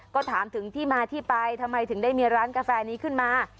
ก็ถามถึงที่มาที่ไปถ้าเหมียวร้านกาแฟมีขึ้นมา